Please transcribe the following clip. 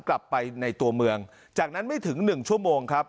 กลับไปในตัวเมืองจากนั้นไม่ถึง๑ชั่วโมงครับ